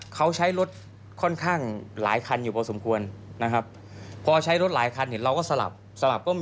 ข้างหลายคันอยู่พอสมควรพอใช้รถหลายคันเราก็สลับ